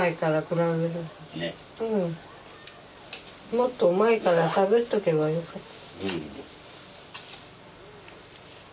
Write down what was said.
もっと前から喋っとけばよかった。